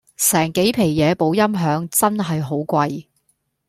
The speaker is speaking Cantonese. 成幾皮野部音響真係好貴